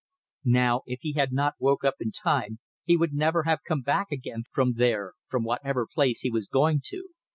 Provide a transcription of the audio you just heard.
Now, if he had not woke up in time he would never have come back again from there; from whatever place he was going to.